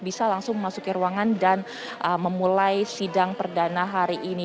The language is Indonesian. bisa langsung memasuki ruangan dan memulai sidang perdana hari ini